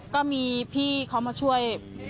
ก็มีพี่เขามาช่วย